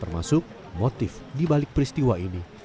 maksudnya motif di balik peristiwa ini